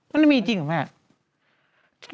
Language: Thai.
มันไม่มีจริงหรือเปล่า